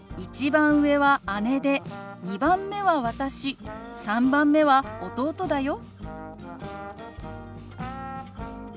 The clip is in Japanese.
１番上は姉で２番目は私３番目は弟だよ。